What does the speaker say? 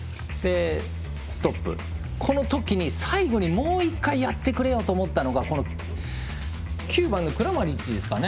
このときに最後にもう一回やってくれよと思ったのが９番のクラマリッチですかね。